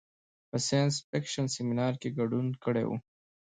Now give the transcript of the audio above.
په ساینس فکشن سیمنار کې ګډون کړی و.